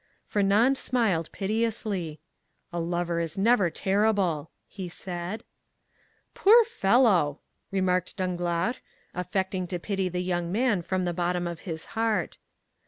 Fernand smiled piteously. "A lover is never terrible," he said. "Poor fellow!" remarked Danglars, affecting to pity the young man from the bottom of his heart.